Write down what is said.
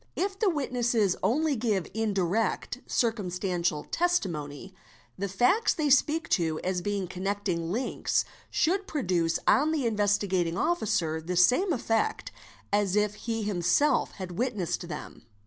If the witnesses only give indirect circumstantial testimony, the facts they speak to as being connecting links should produce on the © Investigating Officer the same effect as if he himself had witnessed them.